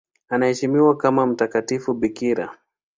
Anaheshimiwa kama mtakatifu bikira.